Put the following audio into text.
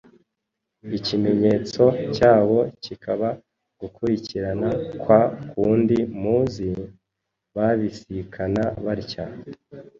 ikimenyetso cyabo kikaba gukurikirana kwa kundi muzi, babisikana batya: